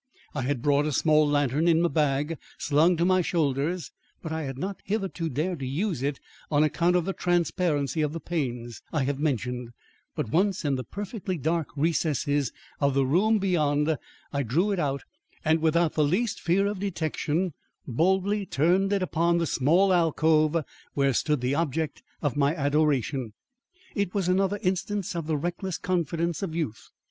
I had brought a small lantern in the bag slung to my shoulders, but I had not hitherto dared to use it on account of the transparency of the panes I have mentioned; but once in the perfectly dark recesses of the room beyond, I drew it out, and without the least fear of detection boldly turned it upon the small alcove where stood the object of my adoration. It was another instance of the reckless confidence of youth.